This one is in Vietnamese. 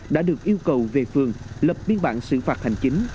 đã được yêu cầu về phường lập biên bản xử phạt hành chính